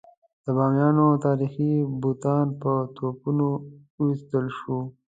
د بامیانو تاریخي بوتان په توپونو وویشتل شول.